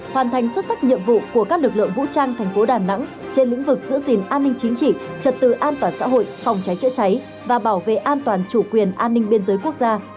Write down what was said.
hoàn thành xuất sắc nhiệm vụ của các lực lượng vũ trang thành phố đà nẵng trên lĩnh vực giữ gìn an ninh chính trị trật tự an toàn xã hội phòng cháy chữa cháy và bảo vệ an toàn chủ quyền an ninh biên giới quốc gia